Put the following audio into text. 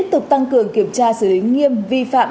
công an nhân dân đều tăng cường kiểm tra xử lý nghiêm vi phạm